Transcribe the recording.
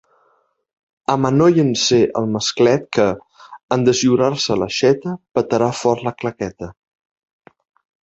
Amanollen-se el masclet que, en deslliurar-se l'aixeta, petarà fort la claqueta!